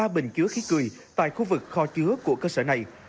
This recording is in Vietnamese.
ba bình chứa khí cười tại khu vực kho chứa của cơ sở này